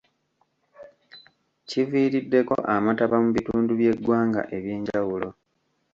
Kiviiriddeko amataba mu bitundu by'eggwanga ebyenjawulo.